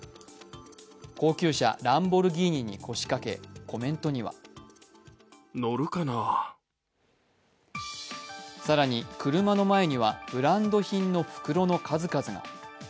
高級車・ランボルギーニに腰掛け、コメントには更に、車の前にはブランド品の袋の数々が。